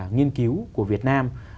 nghiên cứu của việt nam